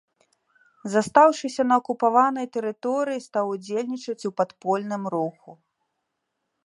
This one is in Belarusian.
Застаўшыся на акупаванай тэрыторыі, стаў удзельнічаць у падпольным руху.